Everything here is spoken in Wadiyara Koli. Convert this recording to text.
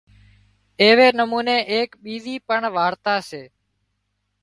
ايوي نموني اِيڪ ٻيزي پڻ وارتا سي